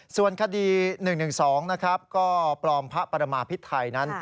ส่วนคดี๑๑๒นะครับก็ปลอมพระประมาพิษไทยนั้น